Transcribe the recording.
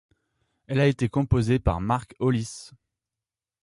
Elle a été composée par Mark Hollis.